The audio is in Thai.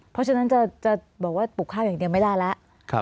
เพราะฉะนั้นจะบอกว่าปลูกข้าวอย่างเดียวไม่ได้แล้ว